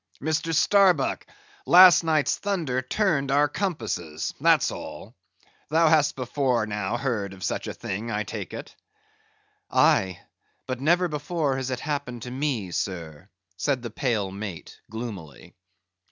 Mr. Starbuck, last night's thunder turned our compasses—that's all. Thou hast before now heard of such a thing, I take it." "Aye; but never before has it happened to me, sir," said the pale mate, gloomily.